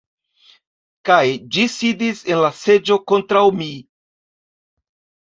Kaj, ĝi sidis en la seĝo kontraŭ mi.